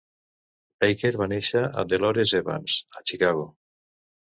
Baker va néixer a Delores Evans, a Chicago.